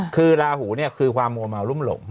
คือลาหูเนี่ยคือความมัวเมารุ่มหลง